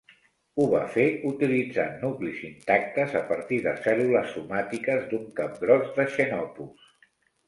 Ho va fer utilitzant nuclis intactes a partir de cèl·lules somàtiques d'un Capgròs de "Xenopus".